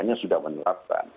itu sudah menerapkan